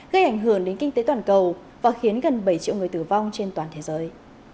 gây ảnh hưởng đến kinh tế toàn cầu và khiến gần bảy triệu người tử vong trên toàn thế giới